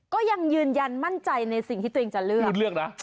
ก็ยังยืนยันมั่นใจในสิ่งที่ฉันจะเลือก